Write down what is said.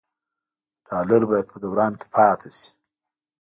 ډالر باید په دوران کې پاتې شي.